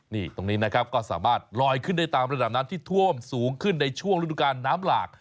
นี่ตรงนี้นะครับก็สามารถลอยขึ้นได้ตามระดับน้ำที่ท่วมสูงขึ้นในช่วงฤดูการน้ำหลาก